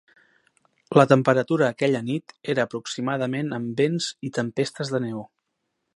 La temperatura aquella nit era aproximadament amb vents i tempestes de neu.